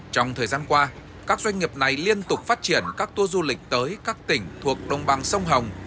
trong thời gian qua các doanh nghiệp này liên tục phát triển các tour du lịch tới các tỉnh thuộc đồng bằng sông hồng